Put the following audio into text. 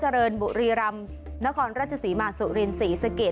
ฮัลโหลฮัลโหลฮัลโหล